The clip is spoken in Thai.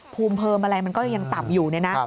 ภูมิเพิ่มอะไรมันก็ยังต่ำอยู่เนี่ยนะ